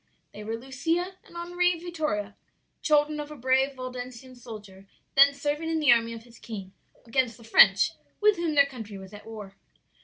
They were Lucia and Henri Vittoria, children of a brave Waldensian soldier then serving in the army of his king, against the French, with whom their country was at war.